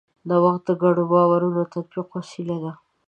نوښت د ګډو باورونو د تطبیق وسیله ده.